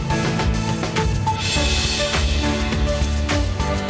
saya sadar malam tentunya